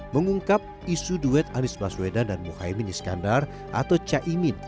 mengungkap isu duet anies baswedan dan muhaymin iskandar atau caimin